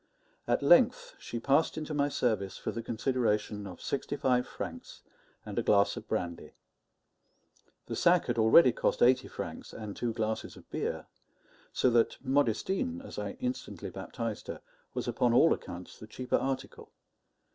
At length she passed into my service for the consideration of sixty five francs and a glass of brandy. The sack had already cost eighty francs and two glasses of beer; so that Modestine, as I instantly baptized her, was upon all accounts the cheaper article.